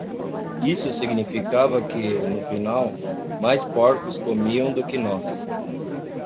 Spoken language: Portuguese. Isso significava que, no final, mais porcos comiam do que nós.